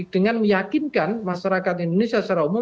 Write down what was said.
dengan meyakinkan masyarakat indonesia secara umum